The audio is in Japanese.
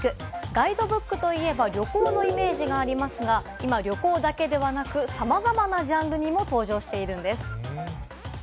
ガイドブックといえば旅行のイメージがありますが、今、旅行だけではなく、さまざまなジャンルにも登場しているんです。